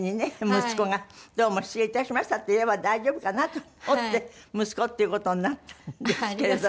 「息子がどうも失礼致しました」って言えば大丈夫かなと思って息子っていう事になったんですけれども。